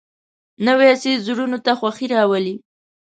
نوی څېز زړونو ته خوښي راولي